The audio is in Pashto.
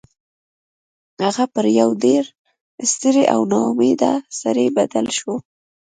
هغه په یو ډیر ستړي او ناامیده سړي بدل شو